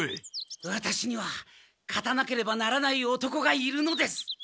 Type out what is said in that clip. ワタシには勝たなければならない男がいるのです！